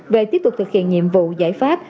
về tiếp tục thực hiện nhiệm vụ giải pháp